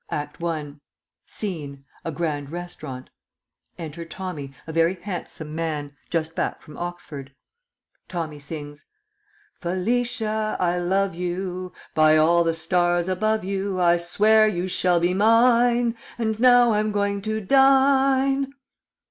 ACT I. SCENE A grand restaurant. Enter Tommy, a very handsome man, just back from Oxford. Tommy sings: Felicia, I love you, By all the stars above you I swear you shall be mine! And now I'm going to dine.